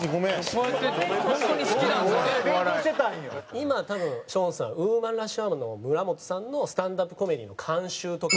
今多分ショーンさんウーマンラッシュアワーの村本さんのスタンダップ・コメディーの監修とか。